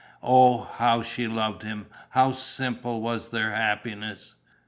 Oh, how she loved him, how simple was their happiness!